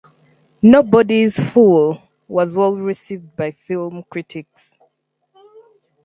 "Nobody's Fool" was well received by film critics.